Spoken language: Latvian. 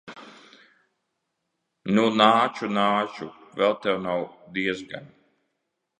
Nu, nāču, nāču. Vēl tev nav diezgan.